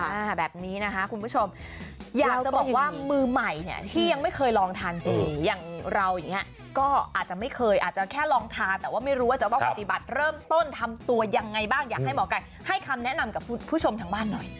แบบนี้นะคะคุณผู้ชมอยากจะบอกว่ามือใหม่เนี่ยที่ยังไม่เคยลองทานเจอย่างเราอย่างนี้ก็อาจจะไม่เคยอาจจะแค่ลองทานแต่ว่าไม่รู้ว่าจะต้องปฏิบัติเริ่มต้นทำตัวยังไงบ้างอยากให้หมอไก่ให้คำแนะนำกับผู้ชมทางบ้านหน่อย